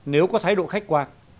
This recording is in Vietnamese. nếu có thái độ khách quan